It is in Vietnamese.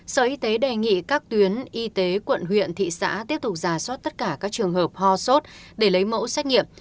sở y tế đề nghị các tuyến y tế quận huyện thị xã tiếp tục ra soát tất cả các trường hợp ho sốt để lấy mẫu xét nghiệm